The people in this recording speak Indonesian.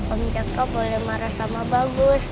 om jangkau boleh marah sama bagus